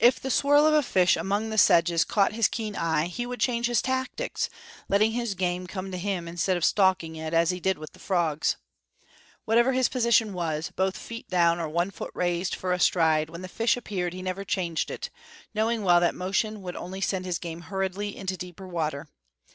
If the swirl of a fish among the sedges caught his keen eye, he would change his tactics, letting his game come to him instead of stalking it, as he did with the frogs. Whatever his position was, both feet down or one foot raised for a stride, when the fish appeared, he never changed it, knowing well that motion would only send his game hurriedly into deeper water.